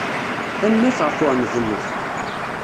Tanemmirt ɣef uɛemmed-nnek.